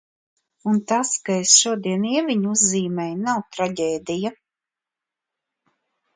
Un tas, ka es šodien Ieviņu uzzīmēju nav traģēdija.